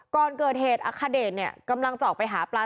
ก่อนเกิดเหตุอาคเดตกำลังเจาะไปหาปลา